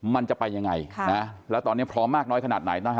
มันจะไปอย่างไรและตอนนี้พร้อมมากน้อยขนาดไหน